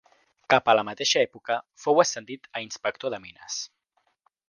Cap a la mateixa època, fou ascendit a Inspector de mines.